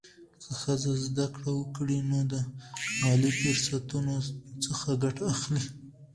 که ښځه زده کړه وکړي، نو د مالي فرصتونو څخه ګټه اخلي.